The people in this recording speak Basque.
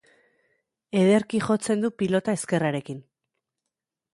Ederki jotzen du pilota ezkerrarekin.